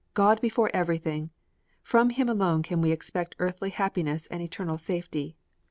God before everything! From Him alone can we expect earthly happiness and eternal safety.